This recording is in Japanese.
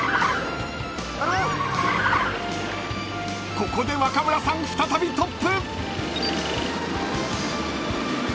［ここで若村さん再びトップ］